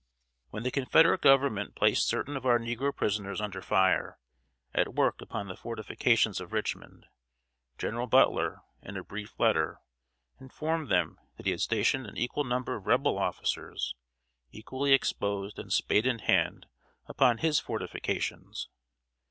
] When the Confederate Government placed certain of our negro prisoners under fire, at work upon the fortifications of Richmond, General Butler, in a brief letter, informed them that he had stationed an equal number of Rebel officers, equally exposed and spade in hand, upon his fortifications.